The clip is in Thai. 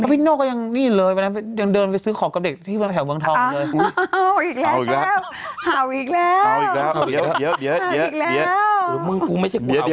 ให้หน้าน่ะแต่พี่โน่ก็ยังเดินไปซื้อของกับเด็กที่แถวเมืองทองเลย